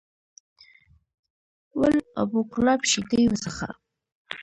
ول ابو کلاب شیدې وڅښه!